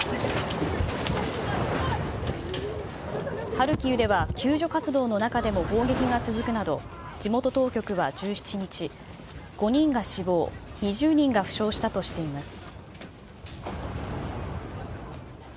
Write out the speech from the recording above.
ハルキウでは救助活動の中でも砲撃が続くなど、地元当局は１７日、５人が死亡、２０人が負傷したとしています。